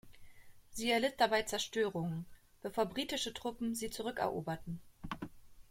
Sie erlitt dabei Zerstörungen, bevor britische Truppen sie zurückeroberten.